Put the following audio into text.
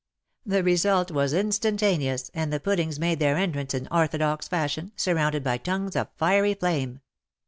The result was instantaneous, and the puddings made their entrance in orthodox fashion, surrounded by tongues of fiery flame.